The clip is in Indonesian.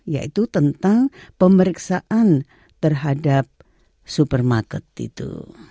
yaitu tentang pemeriksaan terhadap supermarket itu